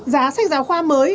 giá sách giáo khoa mới